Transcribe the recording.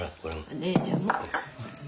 お姉ちゃんも。